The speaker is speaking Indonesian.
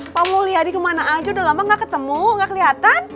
pak mau liat nih kemana aja udah lama gak ketemu gak keliatan